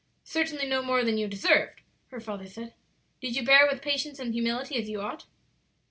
"Certainly no more than you deserved," her father said. "Did you bear it with patience and humility, as you ought?"